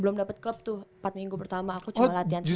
belum dapat klub tuh empat minggu pertama aku cuma latihan